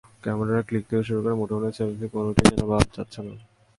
ক্যামেরার ক্লিক থেকে শুরু করে মুঠোফোনে সেলফি—কোনোটাই যেন বাদ যাচ্ছে না।